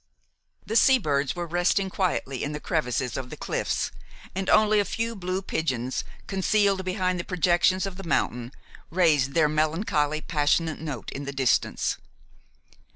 The sea birds were resting quietly in the crevices of the cliffs, and only a few blue pigeons, concealed behind the projections of the mountain, raised their melancholy, passionate note in the distance.